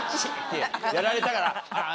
てやられたから。